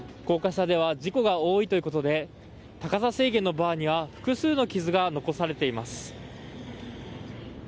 高架下では事故が多いということで高さ制限のバーには複数の傷が残されています。